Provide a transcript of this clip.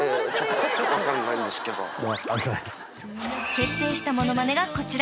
［決定したモノマネがこちら！